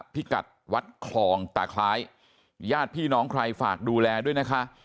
พิกัดวัดคลองตาคล้ายญาติพี่น้องใครฝากดูแลด้วยนะคะ